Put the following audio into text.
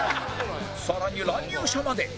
更に乱入者まで